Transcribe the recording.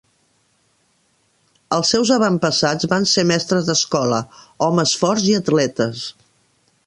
Els seus avantpassats van ser mestres d'escola, homes forts i atletes.